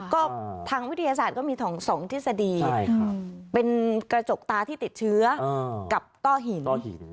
ก็ทางวิทยาศาสตร์ก็มี๒ทฤษฎีเป็นกระจกตาที่ติดเชื้อกับต้อหินก้อนหิน